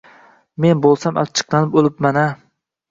men bo‘lsam achchiqlanib o‘libman-a...